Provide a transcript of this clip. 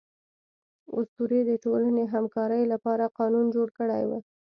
اسطورې د ټولنې همکارۍ لپاره قانون جوړ کړی و.